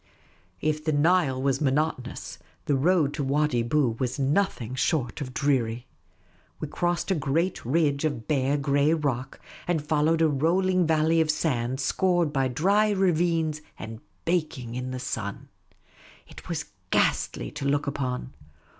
If the Nile was monotonous, the road to Wadi Bou was nothing short of dreary. We crossed a great ridge of bare, grey rock, and followed a rolling valley of sand, scored by dry ravines, and baking in the sun. It was ghastly to look upon.